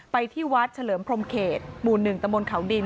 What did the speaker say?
ไปที่วัดเฉลิมพรมเขตหมู่๑ตะมนต์เขาดิน